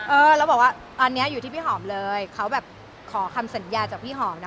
เออแล้วบอกว่าตอนนี้อยู่ที่พี่หอมเลยเขาแบบขอคำสัญญาจากพี่หอมนะ